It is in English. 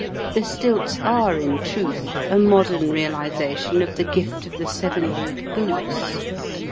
The stilts are, in truth, a modern realisation of the gift of the seven league boots.